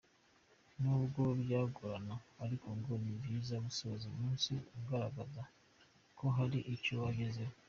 Nubwo byagorana ariko ngo ni byiza gusoza umunsi ugaragaza ko hari icyo wagezeho.